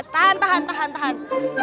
tahan tahan tahan tahan